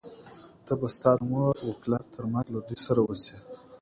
ته به ستا د مور و پلار تر مرګه له دوی سره اوسې،